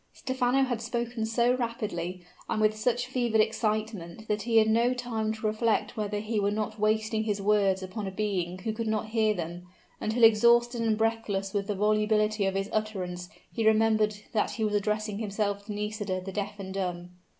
Stephano had spoken so rapidly, and with such fevered excitement that he had no time to reflect whether he were not wasting his words upon a being who could not hear them; until exhausted and breathless with the volubility of his utterance he remembered that he was addressing himself to Nisida the deaf and dumb.